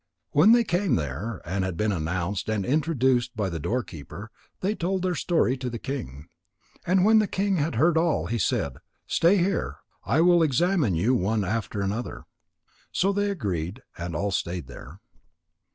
When they came there, and had been announced and introduced by the door keeper, they told their story to the king. And when the king had heard all, he said: "Stay here. I will examine you one after another." So they agreed and all stayed there.